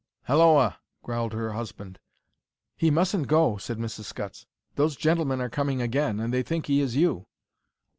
"Halloa," growled her husband. "He mustn't go," said Mrs. Scutts. "Those gentlemen are coming again, and they think he is you."